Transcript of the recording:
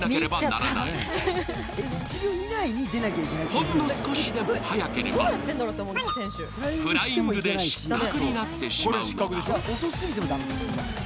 ほんの少しでも早ければフライングで失格になってしまうのだ。